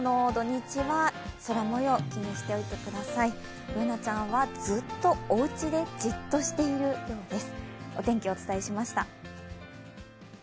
Ｂｏｏｎａちゃんはずっとおうちでじっとしているようです。